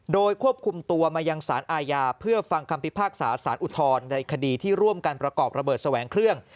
โดยควบคุมตัวมายังสารอาญาเพื่อฟังคำพิพากษาสารอุทธรณ์ในคดีที่ร่วมกันประกอบระเบิดแสวงเครื่อง